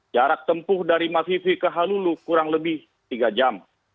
jarak tempuh dari mafiti ke halulu kurang lebih tiga jam